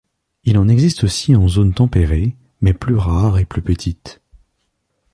Il en existe aussi en zone tempérée, mais plus rares et plus petites.